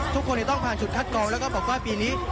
ทุกคนต้องผ่านจุดคัดกรองแล้วก็บอกว่าปีนี้